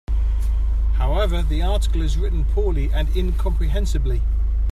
However, the article is written poorly and incomprehensibly.